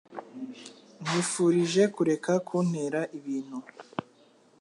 Nkwifurije kureka kuntera ibintu.